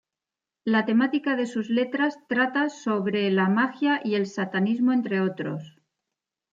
La temática de sus letras trata sorbe la magia y el satanismo entre otros.